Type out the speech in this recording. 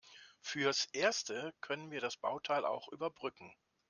Fürs Erste können wir das Bauteil auch überbrücken.